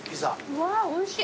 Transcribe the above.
うわおいしい。